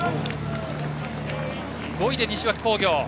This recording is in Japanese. ５位で西脇工業。